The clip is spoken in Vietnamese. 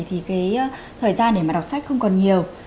thì cái thời gian để mà đọc sách không còn nhiều